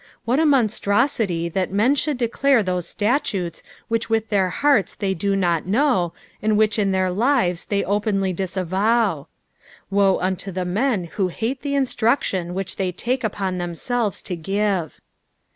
What a monstrosity that men should declare those statutes which with their hearts they do not know, and which in their lives they openly disavow ] Woe unto the men who hat« the instruction whiijh they take upon themselves to give.